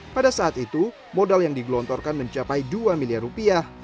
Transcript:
pada saat itu modal yang digelontorkan mencapai dua miliar rupiah